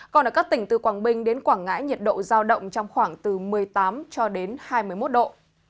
còn ở các tỉnh từ quảng bình đến quảng ngãi nhiệt độ giao động trong khoảng từ một mươi tám cho đến hai mươi một độ